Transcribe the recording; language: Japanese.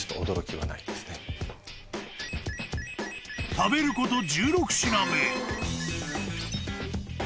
［食べること１６品目］